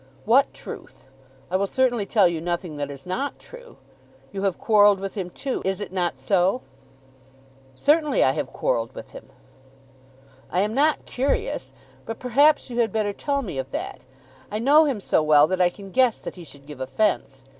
"What truth? I will certainly tell you nothing that is not true. You have quarrelled with him too. Is it not so?" "Certainly I have quarrelled with him." "I am not curious; but perhaps you had better tell me of that. I know him so well that I can guess that he should give offence.